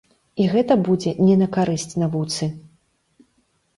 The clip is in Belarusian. І гэта будзе не на карысць навуцы.